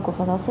của phó giáo sư